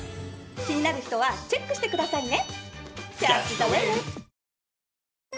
気になる人はチェックしてくださいね！